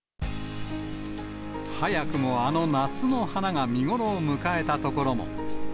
早くもあの夏の花が見頃を迎えた所も。